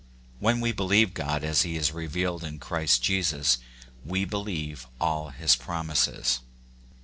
When we believe God as he is revealed in Christ Jesus, we believe all his promises.